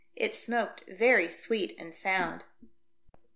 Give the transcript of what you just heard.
It smoked very sweet and sound.